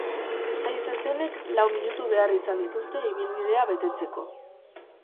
Sei zezenek lau minutu behar izan dituzte ibilbidea betetzeko.